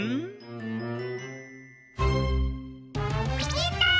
みんな！